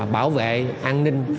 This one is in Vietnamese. bảo vệ an ninh